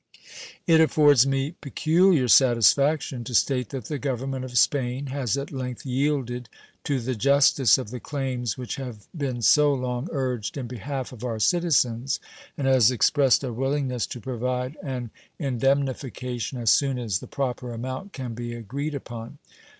It affords me peculiar satisfaction to state that the Government of Spain has at length yielded to the justice of the claims which have been so long urged in behalf of our citizens, and has expressed a willingness to provide an indemnification as soon as the proper amount can be agreed upon.